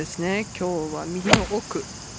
今日は右の奥。